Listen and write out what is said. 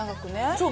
そう。